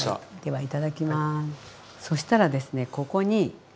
はい。